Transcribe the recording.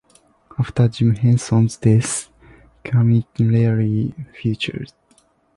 After Jim Henson's death, Kermit rarely featured.